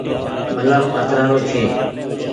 بلڦ ڪترآ رو ڇي۔